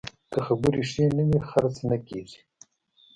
که خبرې ښې نه وي، خرڅ نه کېږي.